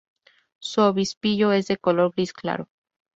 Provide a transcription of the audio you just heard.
Su obispillo es de color gris claro.